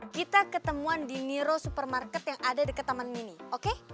kita ketemuan di niro supermarket yang ada di ketaman mini oke